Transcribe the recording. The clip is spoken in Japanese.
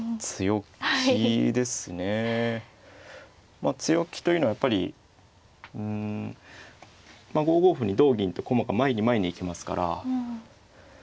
まあ強気というのはやっぱりうん５五歩に同銀と駒が前に前に行きますから。